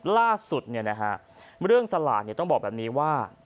ล่าสุดเนี่ยนะคะเรื่องสลากเนี่ยต้องบอกแบบนี้ว่า